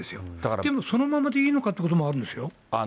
でもそのままでいいのかっていうこともあるんですよ。